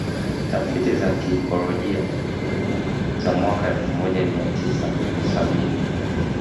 Tafiti za kiikolojia za mwaka elfu moja mia tisa sabini